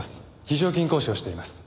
非常勤講師をしています。